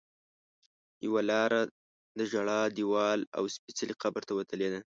یوه لاره د ژړا دیوال او سپېڅلي قبر ته وتلې ده.